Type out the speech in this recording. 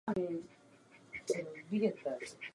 Údaje o založení hřbitova se rozcházejí.